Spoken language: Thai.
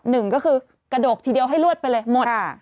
หนึ่งก็คือกระดกทีเดียวให้ลวดไปเลยหมด